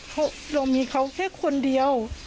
เพราะเรามีเขาแค่คนเดียว